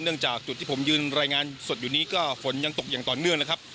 จากจุดที่ผมยืนรายงานสดอยู่นี้ก็ฝนยังตกอย่างต่อเนื่องนะครับ